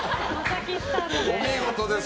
お見事です。